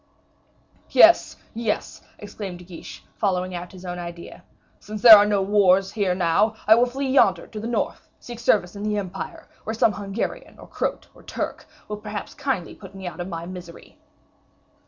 "Yes, yes," exclaimed De Guiche, following out his own idea; "since there are no wars here now, I will flee yonder to the north, seek service in the Empire, where some Hungarian, or Croat, or Turk, will perhaps kindly put me out of my misery."